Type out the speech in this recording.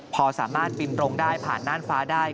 พอสามารถบินตรงได้ผ่านน่านฟ้าได้